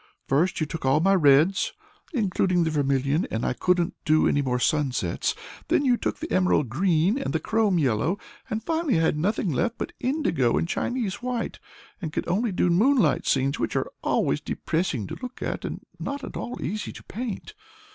First you took all my reds, including the vermilion, and I couldn't do any more sunsets, then you took the emerald green and the chrome yellow, and finally I had nothing left but indigo and Chinese white, and could only do moonlight scenes, which are always depressing to look at, and not at all easy to paint.